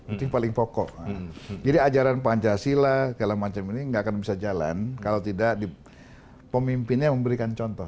itu yang paling pokok jadi ajaran pancasila segala macam ini nggak akan bisa jalan kalau tidak pemimpinnya memberikan contoh